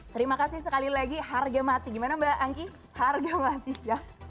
terima kasih sekali lagi harga mati gimana mbak angki harga mati